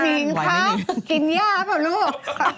สินิงค่ะกินยาบหรือลูก